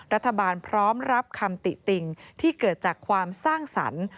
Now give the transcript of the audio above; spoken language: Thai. รัฐบาลพร้อมรับคำติติติ่งที่เกิดจากความสร้างสรรค์